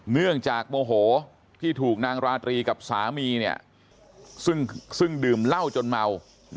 เนื่องจากโมโหที่ถูกนางราตรีกับสามีซึ่งดื่มเหล้าจนเมา